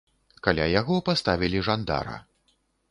Каля яго паставілі жандара.